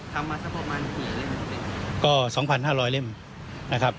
ทำมาสักประมาณกี่เล่มครับ